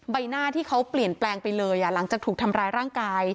ใบหน้าที่เขาเปลี่ยนแปลงไปเลยหลังจากถูกทำร้ายร่างกาย